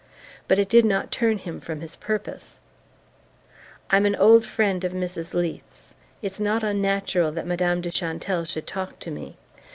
But it did not turn him from his purpose. "I'm an old friend of Mrs. Leath's. It's not unnatural that Madame de Chantelle should talk to me."